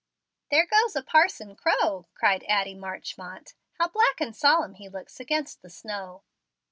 "There goes a parson crow," cried Addie Marchmont. "How black and solemn he looks against the snow!"